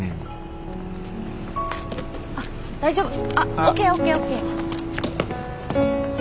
あっ大丈夫。